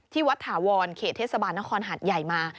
วัดถาวรเขตเทศบาลนครหัดใหญ่มา